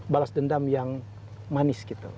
balas dendam yang manis gitu